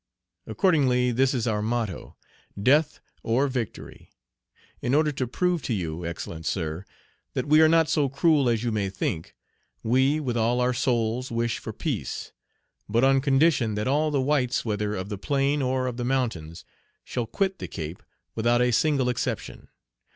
Accordingly, this is our motto, Death or Victory! In order to prove to you, excellent sir, that we are not so cruel as you may think, we, with all our souls, wish for peace, but on condition that all the whites, whether of the plain or of the mountains, shall quit the Cape without a single exception.